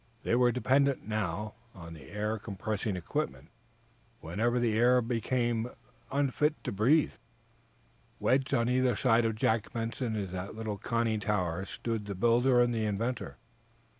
They were dependent, now, on the air compressing equipment whenever the air aboard became unfit to breathe. Wedged on either side of Jack Benson in that little conning tower stood the builder and the inventor.